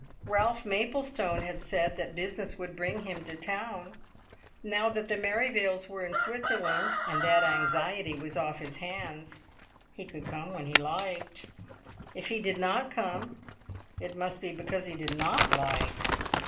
Ralph Maplestone had said that business would bring him to town. Now that the Merrivales were in Switzerland, and that anxiety was off his hands, he could come when he liked. If he did not come it must be because he did not like!